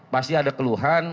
pasti ada keluhan